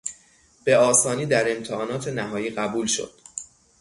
به آسانی در امتحانات نهایی قبول شد.